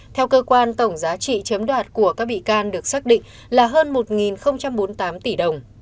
theo cơ quan tổng giá trị chiếm đoạt của các bị can được xác định là hơn một bốn mươi tám tỷ đồng